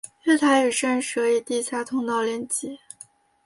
月台与站舍以地下通道连结。